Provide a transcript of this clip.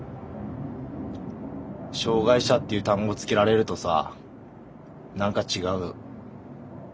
障害者っていう単語付けられるとさなんか違う。